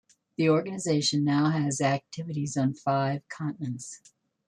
The organization now has activities on five continents.